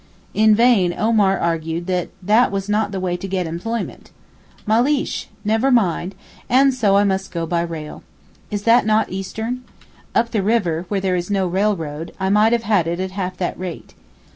In vain Omar argued that that was not the way to get employment. 'Maleesh!' (Never mind!), and so I must go by rail. Is not that Eastern? Up the river, where there is no railroad, I might have had it at half that rate.